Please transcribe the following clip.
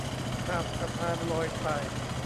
ข้ามสะพานลอยไป